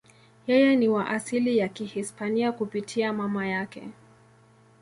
Yeye ni wa asili ya Kihispania kupitia mama yake.